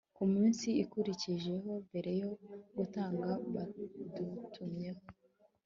Ku munsi ukurikiyeho mbere yo gutaha badutumyeho